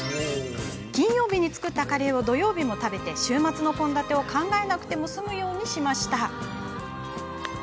金曜日に作ったカレーを土曜日も食べて週末の献立を考えなくても済むようにしたんです。